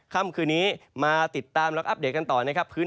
ค่ำคืนนี้มาติดตามและอัปเดตกันต่อนะครับ